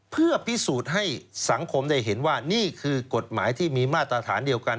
เพื่อพิสูจน์ให้สังคมได้เห็นว่านี่คือกฎหมายที่มีมาตรฐานเดียวกัน